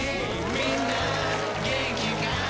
みんな元気かい？